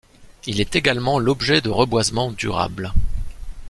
Il est également l'objet de reboisement durable.